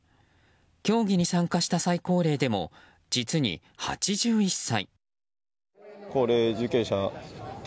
競技に参加した最高齢でも実に８１歳。